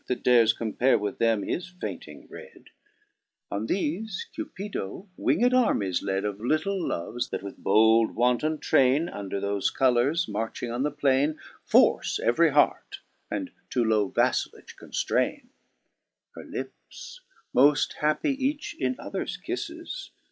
That dares compare with them his fainting red : On thefe Cupido winged armies led Of little Loves that, with bold wanton traine Under thofe colours, marching on the plaine. Force every heart, and to low vaflelage conftraine. 6. Her lips, moft happy each in other's kifles.